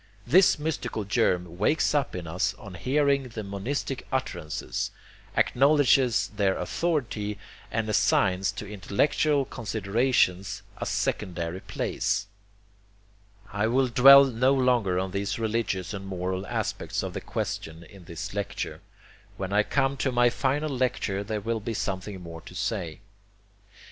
This mystical germ wakes up in us on hearing the monistic utterances, acknowledges their authority, and assigns to intellectual considerations a secondary place. I will dwell no longer on these religious and moral aspects of the question in this lecture. When I come to my final lecture there will be something more to say.